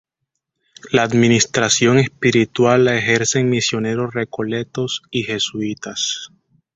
La administración espiritual la ejercen misioneros Recoletos y Jesuítas.